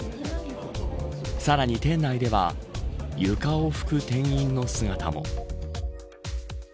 さらに店内では床を拭く店員の姿も。